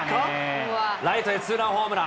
ライトへツーランホームラン。